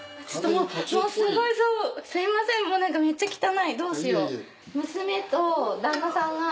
もうなんかめっちゃ汚いどうしよう。